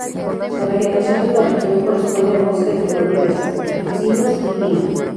La vegetación de la región corresponde a bosques de coníferas: encinos y pinos.